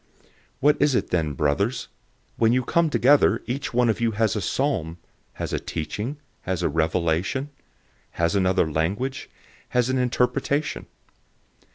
014:026 What is it then, brothers? When you come together, each one of you has a psalm, has a teaching, has a revelation, has another language, has an interpretation.